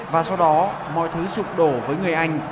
và sau đó mọi thứ sụp đổ với người anh